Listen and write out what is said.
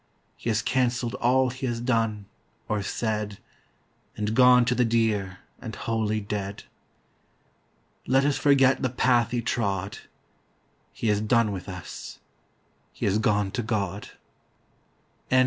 He has cancelled all he has done, or said, And gone to the dear and holy Dead. Let us forget the path he trod, He has done with us, He has gone to God. PERSIA.